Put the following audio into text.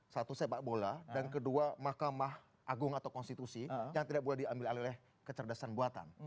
satu sepak bola dan kedua mahkamah agung atau konstitusi yang tidak boleh diambil alih oleh kecerdasan buatan